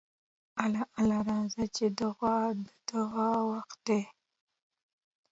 اله اله راځه چې د غوږ د دوا وخت دی.